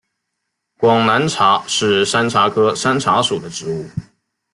广南茶是山茶科山茶属的植物。